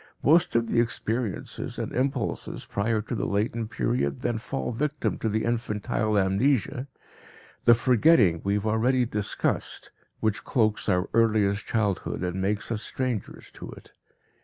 Most of the experiences and impulses prior to the latent period then fall victim to the infantile amnesia, the forgetting we have already discussed, which cloaks our earliest childhood and makes us strangers to it.